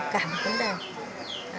cảm tính đẹp